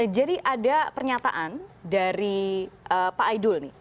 jadi ada pernyataan dari pak aidul nih